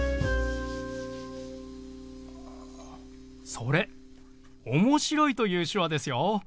それ「面白い」という手話ですよ。